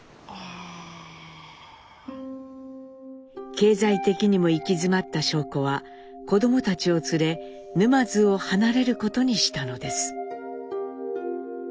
経済的にも行き詰まった尚子は子どもたちを連れ沼津を離れることにしたのです。